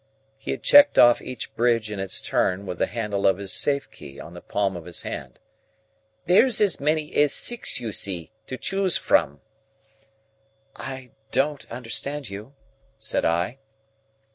He had checked off each bridge in its turn, with the handle of his safe key on the palm of his hand. "There's as many as six, you see, to choose from." "I don't understand you," said I.